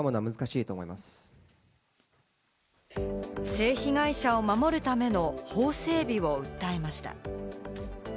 性被害者を守るための法整備を訴えました。